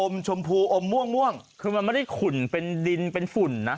ชมพูอมม่วงคือมันไม่ได้ขุ่นเป็นดินเป็นฝุ่นนะ